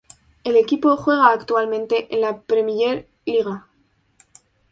El equipo juega actualmente en la Premijer Liga.